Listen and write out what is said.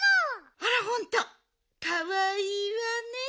あらほんとうかわいいわね。